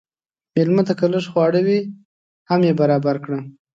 مېلمه ته که لږ خواړه وي، هم یې برابر کړه.